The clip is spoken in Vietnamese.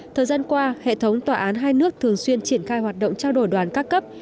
thời gian qua hệ thống tòa án hai nước thường xuyên triển khai hoạt động trao đổi đoàn các cấp